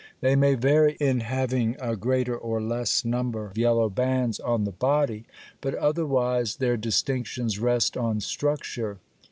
They may vary in having a greater or less number of yellow bands on the body, but otherwise their distinctions rest on structure.